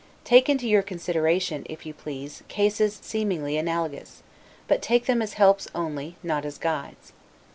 Take into your consideration, if you please, cases seemingly analogous; but take them as helps only, not as guides.